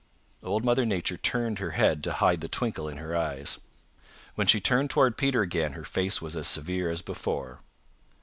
Old Mother Nature turned her head to hide the twinkle in her eyes. When she turned toward Peter again her face was severe as before.